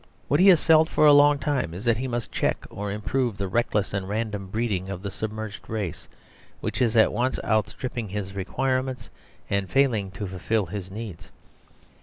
What he has felt for a long time is that he must check or improve the reckless and random breeding of the submerged race, which is at once outstripping his requirements and failing to fulfil his needs.